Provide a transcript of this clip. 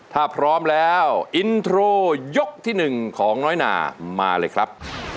ถ้าพร้อมแล้วอินโทรยกที่๑ของน้อยนามาเลยครับ